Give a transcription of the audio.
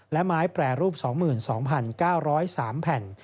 และไม้แปรรูป๒๒๙๐๓แผ่น